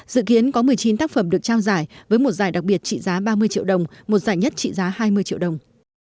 dự kiến có một mươi chín tác phẩm được trao giải với một giải đặc biệt trị giá ba mươi triệu đồng một giải nhất trị giá hai mươi triệu đồng